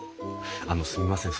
あのすみません